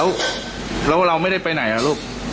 แล้วเราไม่ได้ไปไหนล่ะลูก